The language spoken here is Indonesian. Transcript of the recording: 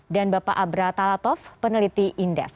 dan bapak abra talatov peneliti indef